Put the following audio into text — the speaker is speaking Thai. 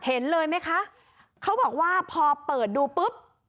เห็นเลยไหมคะเขาบอกว่าพอเปิดดูปุ๊บ